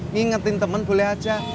ngingetin temen boleh aja